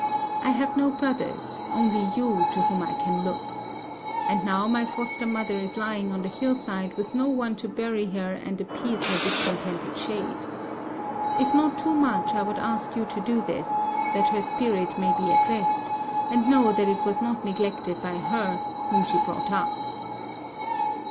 I have no brothers: only you to whom I can look. And now my foster mother is lying on the hill side with no one to bury her and appease her discontented shade. If not too much, I would ask you to do this, that her spirit may be at rest, and know that it was not neglected by her whom she brought up."